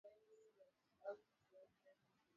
nishati ya kupikia kama jiko la gesi